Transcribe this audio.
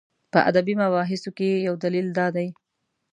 په ادبي مباحثو کې یې یو دلیل دا دی.